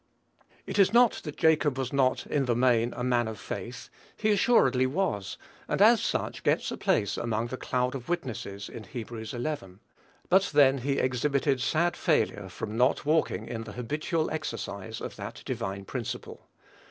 It is not that Jacob was not, in the main, a man of faith; he assuredly was, and as such gets a place amongst the "cloud of witnesses" in Heb. xi. But then he exhibited sad failure from not walking in the habitual exercise of that divine principle.